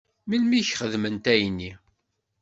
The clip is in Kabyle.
Melmi i k-xedment ayenni?